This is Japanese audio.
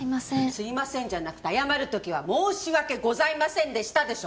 すいませんじゃなくて謝る時は申し訳ございませんでしたでしょ。